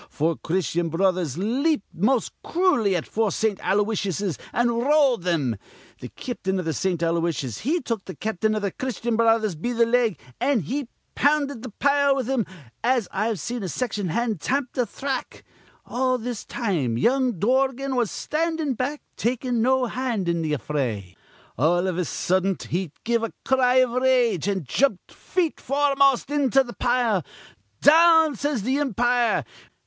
Four Christyan Brothers leaped most crooly at four Saint Aloysiuses, an' rolled thim. Th' cap'n iv th' Saint Aloysiuses he took th' cap'n iv th' Christyan Brothers be th' leg, an' he pounded th' pile with him as I've seen a section hand tamp th' thrack. All this time young Dorgan was standin' back, takin' no hand in th' affray. All iv a suddent he give a cry iv rage, an' jumped feet foremost into th' pile. 'Down!' says th' impire.